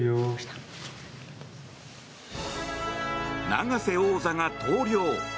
永瀬王座が投了。